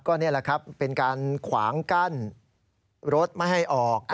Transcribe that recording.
ก็นี่แหละครับเป็นการขวางกั้นรถไม่ให้ออก